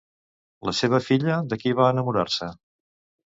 La seva filla de qui va enamorar-se?